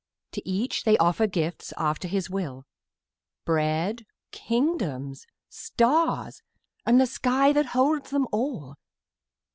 To each they offer gifts after his will, Bread, kingdoms, stars, and sky that holds them all.